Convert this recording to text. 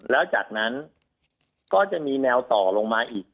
แล้วจากนั้นก็จะมีแนวต่อลงมาอีก